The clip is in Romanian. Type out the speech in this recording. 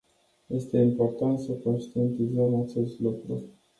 Este important să conștientizăm acest lucru.